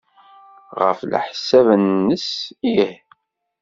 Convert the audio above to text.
Ɣef leḥsab-nnes, ih.